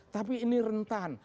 tapi ini rentan